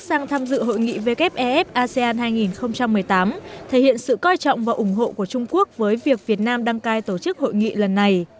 sang tham dự hội nghị wef asean hai nghìn một mươi tám thể hiện sự coi trọng và ủng hộ của trung quốc với việc việt nam đăng cai tổ chức hội nghị lần này